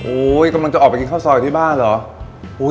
กำลังจะออกไปกินข้าวซอยที่บ้านเหรอ